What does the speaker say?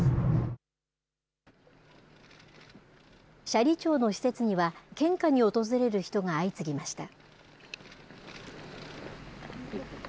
斜里町の施設には、献花に訪れる人が相次ぎました。